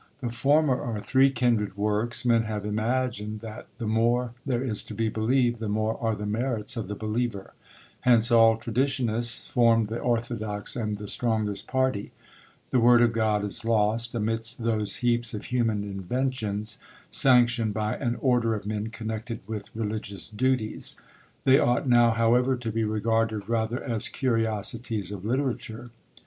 The former are three kindred works. Men have imagined that the more there is to be believed, the more are the merits of the believer. Hence all traditionists formed the orthodox and the strongest party. The word of God is lost amidst those heaps of human inventions, sanctioned by an order of men connected with religious duties; they ought now, however, to be regarded rather as CURIOSITIES OF LITERATURE.